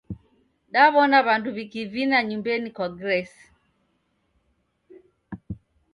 Daw'ona w'andu w'ikivina nyumbenyi kwa Grace.